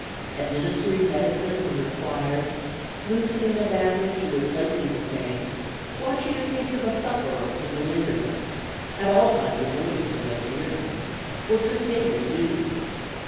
] "Administering medicine when required, loosening a bandage or replacing the same, watching a case of a sufferer in delirium at all times annoying to those near him was her daily duty.